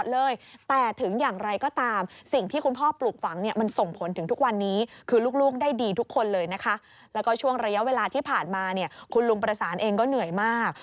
แล้วก็ช่วงระยะเวลาที่ผ่านมาเนี่ยคุณลุงประสานเองก็เหนื่อยมาก